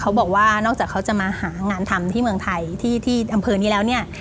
เขาบอกว่านอกจากเขาจะมาหางานทำที่เมืองไทยที่อำเภอนี้แล้วเนี่ย